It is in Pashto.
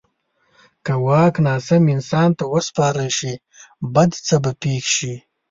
که واک ناسم انسان ته وسپارل شي، بد څه به پېښ شي.